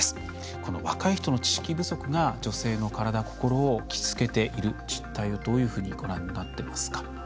この若い人の知識不足が女性の体心を傷つけている実態をどういうふうにご覧になっていますか。